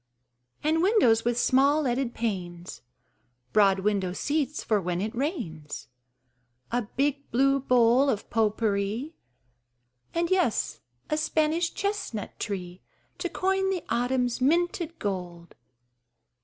And windows with small leaded panes, Broad window seats for when it rains; A big blue bowl of pot pourri And yes, a Spanish chestnut tree To coin the autumn's minted gold.